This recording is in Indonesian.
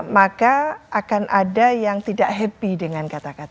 maka akan ada yang tidak happy dengan kata kata